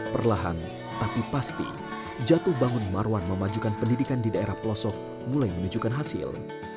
perlahan tapi pasti jatuh bangun marwan memajukan pendidikan di daerah pelosok mulai menunjukkan hasil